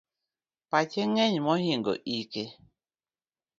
Pache ng'eny mohingo ike